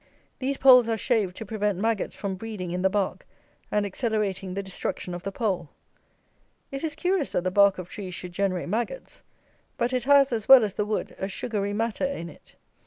These poles are shaved to prevent maggots from breeding in the bark and accelerating the destruction of the pole. It is curious that the bark of trees should generate maggots; but it has, as well as the wood, a sugary matter in it.